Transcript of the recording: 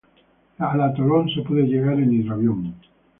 Al atolón se puede llegar en hidroavión.